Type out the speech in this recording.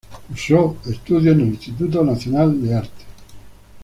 Cursó estudios en el Instituto Nacional de Arte.